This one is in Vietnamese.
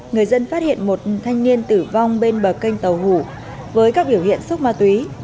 người dân phát hiện một thanh niên tử vong bên bờ kênh tàu hủ với các biểu hiện xúc ma túy